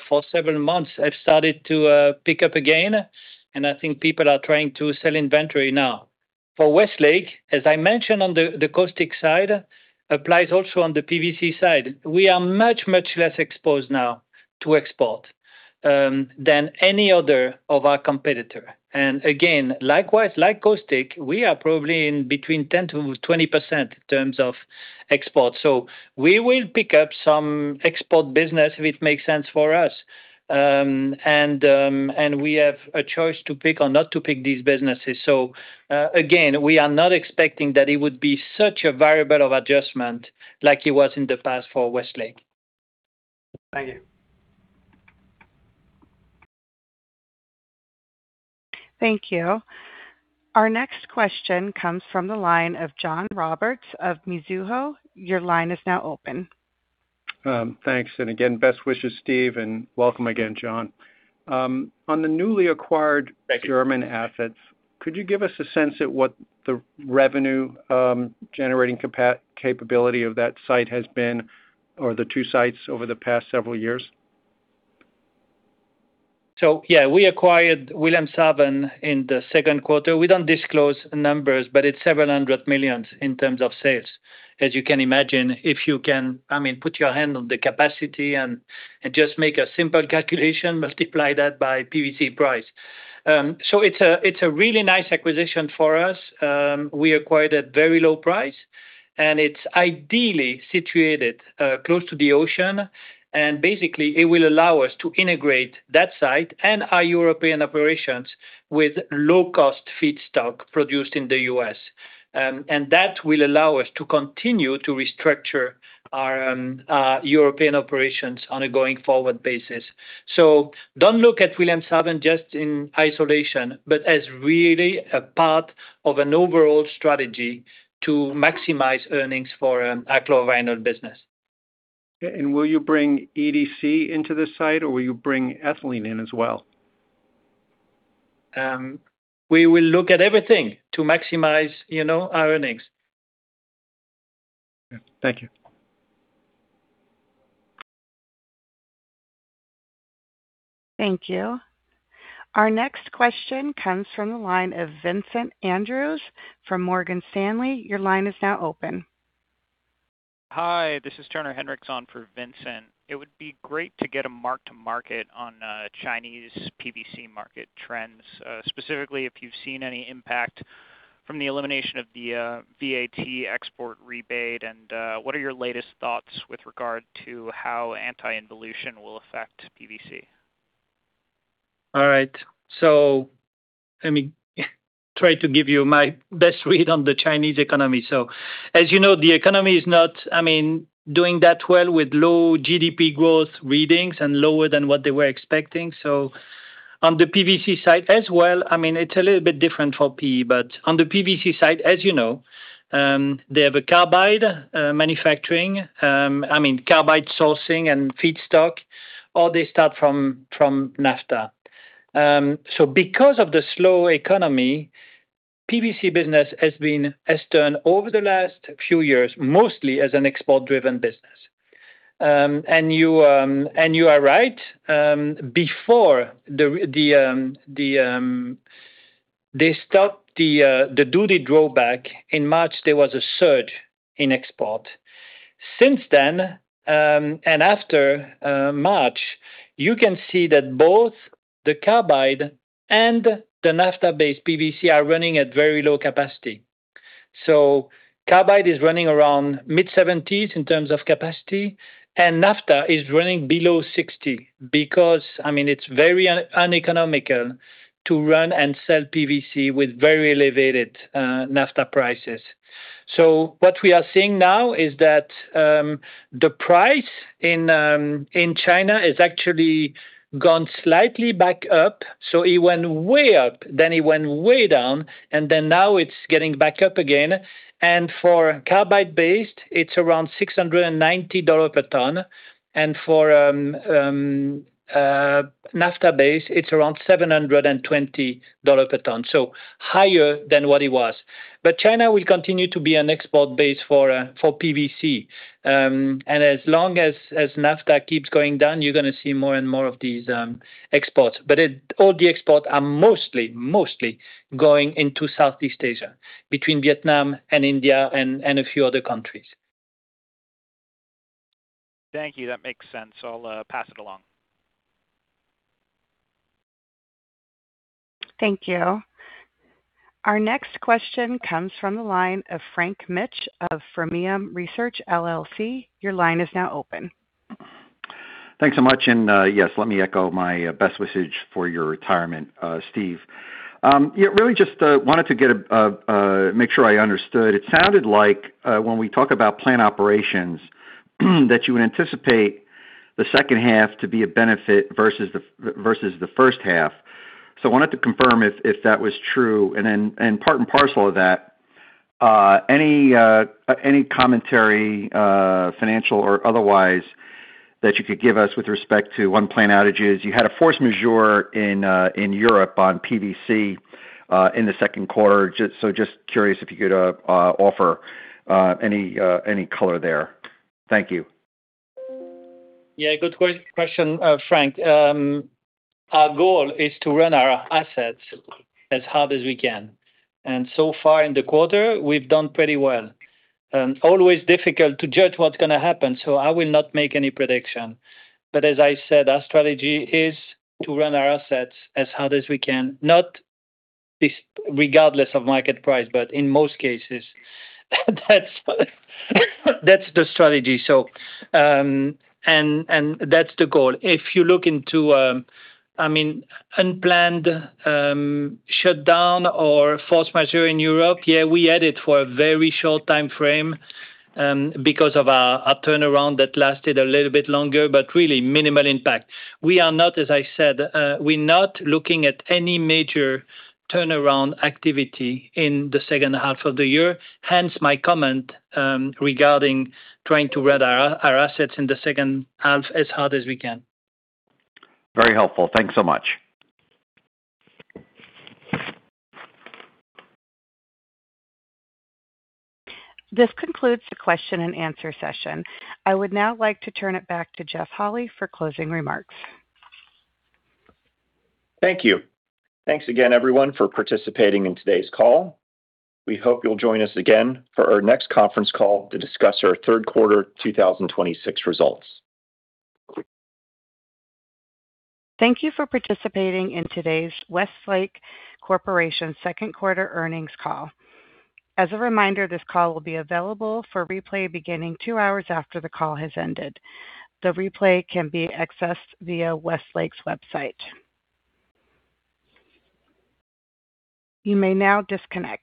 for several months have started to pick up again, and I think people are trying to sell inventory now. For Westlake, as I mentioned on the caustic side, applies also on the PVC side. We are much, much less exposed now to export than any other of our competitor. Again, likewise, like caustic, we are probably in between 10%-20% in terms of export. We will pick up some export business if it makes sense for us. We have a choice to pick or not to pick these businesses. Again, we are not expecting that it would be such a variable of adjustment like it was in the past for Westlake. Thank you. Thank you. Our next question comes from the line of John Roberts of Mizuho. Your line is now open. Thanks. again, best wishes, Steve, and welcome again, Jon. Thank you. German assets, could you give us a sense at what the revenue generating capability of that site has been, or the two sites over the past several years? Yeah, we acquired Wilhelmshaven in the second quarter. We don't disclose numbers, but it's $700 million in terms of sales. As you can imagine, if you can put your hand on the capacity and just make a simple calculation, multiply that by PVC price. It's a really nice acquisition for us. We acquired at very low price. It's ideally situated close to the ocean, and basically it will allow us to integrate that site and our European operations with low-cost feedstock produced in the U.S. That will allow us to continue to restructure our European operations on a going-forward basis. Don't look at Wilhelmshaven just in isolation, but as really a part of an overall strategy to maximize earnings for our chlor-vinyl business. Okay, will you bring EDC into the site or will you bring ethylene in as well? We will look at everything to maximize our earnings. Okay. Thank you. Thank you. Our next question comes from the line of Vincent Andrews from Morgan Stanley. Your line is now open. Hi, this is Turner Hinrichs on for Vincent. It would be great to get a mark to market on Chinese PVC market trends, specifically if you've seen any impact from the elimination of the VAT export rebate, and what are your latest thoughts with regard to how anti-involution will affect PVC? All right. Let me try to give you my best read on the Chinese economy. As you know, the economy is not doing that well with low GDP growth readings and lower than what they were expecting. On the PVC side as well, it's a little bit different for PE, but on the PVC side, as you know, they have a carbide manufacturing, I mean carbide sourcing and feedstock, or they start from naphtha. Because of the slow economy, PVC business has turned over the last few years, mostly as an export-driven business. You are right. Before they stopped the duty drawback in March, there was a surge in export. Since then, after March, you can see that both the carbide and the naphtha-based PVC are running at very low capacity. Carbide is running around mid-70s in terms of capacity, naphtha is running below 60% because it's very uneconomical to run and sell PVC with very elevated naphtha prices. What we are seeing now is that the price in China has actually gone slightly back up. It went way up, then it went way down, and now it's getting back up again. For carbide-based, it's around $690 per ton, and for naphtha-based, it's around $720 per ton. Higher than what it was. China will continue to be an export base for PVC. As long as naphtha keeps going down, you're going to see more and more of these exports. All the exports are mostly going into Southeast Asia, between Vietnam and India and a few other countries. Thank you. That makes sense. I'll pass it along. Thank you. Our next question comes from the line of Frank Mitsch of Fermium Research LLC. Your line is now open. Thanks so much. Yes, let me echo my best wishes for your retirement, Steve. Really just wanted to make sure I understood. It sounded like when we talk about plant operations, that you would anticipate the H2 to be a benefit versus the H1. I wanted to confirm if that was true. Part and parcel of that, any commentary, financial or otherwise, that you could give us with respect to unplanned outages. You had a force majeure in Europe on PVC in the second quarter. Just curious if you could offer any color there. Thank you. Good question, Frank. Our goal is to run our assets as hard as we can. So far in the quarter, we've done pretty well. Always difficult to judge what's going to happen, so I will not make any prediction. As I said, our strategy is to run our assets as hard as we can. Not regardless of market price, but in most cases. That's the strategy. That's the goal. If you look into unplanned shutdown or force majeure in Europe, we had it for a very short time frame because of our turnaround that lasted a little bit longer, but really minimal impact. We are not, as I said, we're not looking at any major turnaround activity in the second half of the year, hence my comment regarding trying to run our assets in the H2 as hard as we can. Very helpful. Thanks so much. This concludes the question and answer session. I would now like to turn it back to Jeff Holy for closing remarks. Thank you. Thanks again, everyone, for participating in today's call. We hope you'll join us again for our next conference call to discuss our third quarter 2026 results. Thank you for participating in today's Westlake Corporation second quarter earnings call. As a reminder, this call will be available for replay beginning two hours after the call has ended. The replay can be accessed via westlake.com. You may now disconnect.